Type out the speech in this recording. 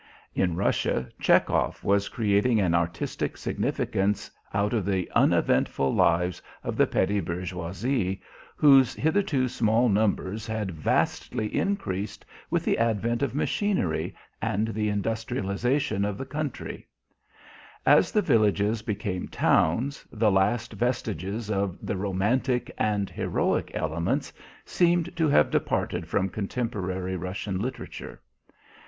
In Russia Chekhov was creating an artistic significance out of the uneventful lives of the petty bourgeoisie, whose hitherto small numbers had vastly increased with the advent of machinery and the industrialization of the country; as the villages became towns, the last vestiges of the "romantic" and "heroic" elements seemed to have departed from contemporary Russian literature.